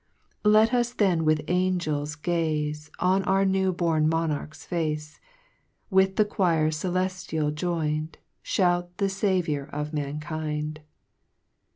4 Let us then with angels gaze On our new born Monarch's face, With the choir celcftial join'd, Shout the Saviour of mankind.